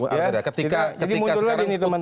jadi mundur lagi nih teman teman